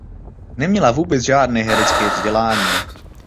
Neměla vůbec žádné herecké vzdělání.